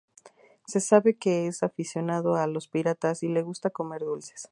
Se sabe que es aficionado a los piratas y le gusta comer dulces.